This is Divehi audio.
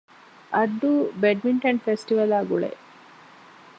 އައްޑޫ ބެޑްމިންޓަން ފެސްޓިވަލާގުޅޭ